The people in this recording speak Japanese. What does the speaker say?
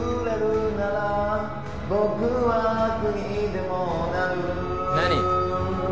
君僕は悪にでもなる何？